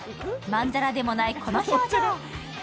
まんざらでもない、この表情。